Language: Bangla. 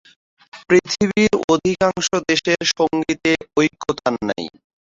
পৃথিবীর অধিকাংশ দেশের সঙ্গীতে ঐকতান নেই।